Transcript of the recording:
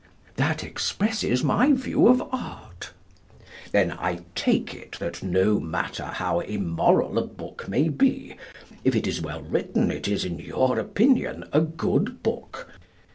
That expresses my view of art. Then, I take it that no matter how immoral a book may be, if it is well written it is, in your opinion, a good book?